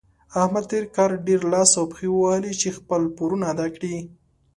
احمد تېر کار ډېر لاس او پښې ووهلې چې خپل پورونه ادا کړي.